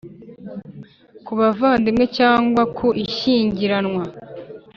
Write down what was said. Ku buvandimwe cyangwa ku ishyingiranwa